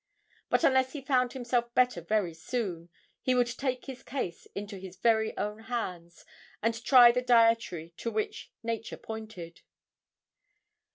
But unless he found himself better very soon, he would take his case into his own hands, and try the dietary to which nature pointed.